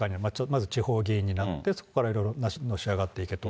まず地方議員になって、そこからいろいろのし上がっていけと。